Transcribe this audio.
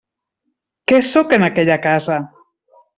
Què sóc en aquella casa?